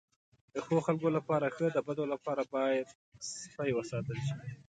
د ښو خلکو لپاره ښه، د بدو لپاره باید سپي وساتل شي.